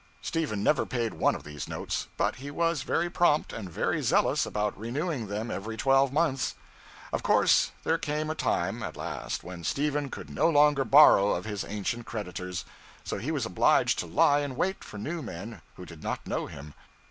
Stephen never paid one of these notes, but he was very prompt and very zealous about renewing them every twelve months. Of course there came a time, at last, when Stephen could no longer borrow of his ancient creditors; so he was obliged to lie in wait for new men who did not know him.